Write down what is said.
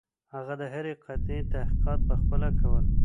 هغه د هرې قطعې تحقیقات پخپله کول.